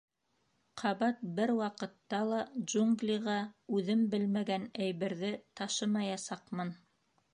— Ҡабат бер ваҡытта ла джунглиға үҙем белмәгән әйберҙе ташымаясаҡмын.